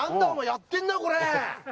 やってんなこれ！